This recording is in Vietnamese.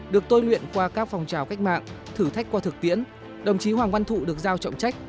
được tôi luyện qua các phòng trào cách mạng thử thách qua thực tiễn đồng chí hoàng văn thụ được giao trọng trách